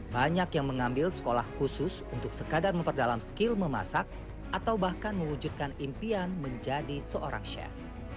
banyak yang mengambil sekolah khusus untuk sekadar memperdalam skill memasak atau bahkan mewujudkan impian menjadi seorang chef